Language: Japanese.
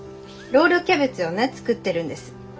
ロールキャベツをね作ってるんです。